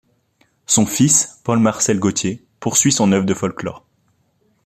Son fils Paul-Marcel Gauthier poursuit son œuvre de folklore.